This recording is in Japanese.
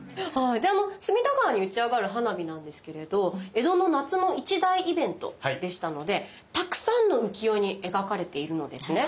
隅田川に打ち上がる花火なんですけれど江戸の夏の一大イベントでしたのでたくさんの浮世絵に描かれているのですね。